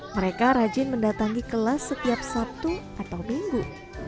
mereka rajin mendatangi kelas setiap sabtu atau minggu